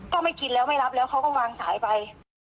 ก็ไม่กินแล้วไม่รับแล้วเขาก็วางสายไป